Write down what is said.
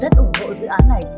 rất ủng hộ dự án này